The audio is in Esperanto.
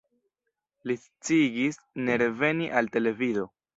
Li sciigis ne reveni al televido.